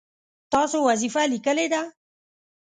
تاسو وظیفه لیکلې ده؟